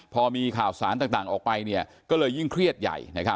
พอมีข่าวสารต่างออกไปก็เลยยิ่งเครียดใหญ่